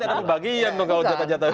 berarti ada pembagian kalau jatah jatah itu